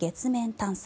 探査